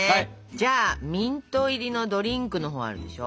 じゃあミント入りのドリンクのほうあるでしょ？